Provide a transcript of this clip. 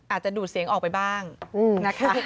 ดูดเสียงออกไปบ้างนะคะ